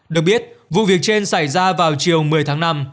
được biết vụ việc trên xảy ra vào chiều một mươi tháng năm